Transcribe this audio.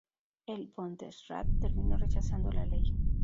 El Bundesrat terminó rechazando la ley.